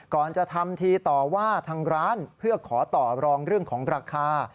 ก่อนจะทำทีต่อว่าทางร้านเพื่อขอต่อรองเรื่องของราคา